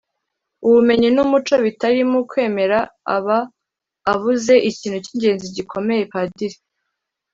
ubumenyi n’umuco bitarimo ukwemera aba abuze ikintu cy’ingenzi gikomeye.padiri